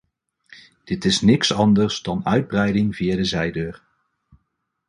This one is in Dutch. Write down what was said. Dit is niks anders dan uitbreiding via de zijdeur.